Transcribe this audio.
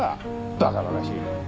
バカバカしい。